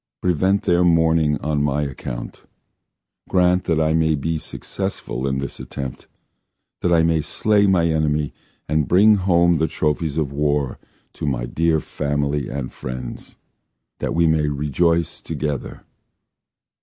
Prevent their mourning on my account! Grant that I may be successful in this attempt That I may slay my enemy, And bring home the trophies of war To my dear family and friends, That we may rejoice together.